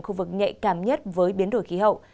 khu vực nhạy cảm nhất với biến đổi khí hậu